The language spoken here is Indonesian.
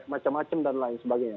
macem macem dan lain sebagainya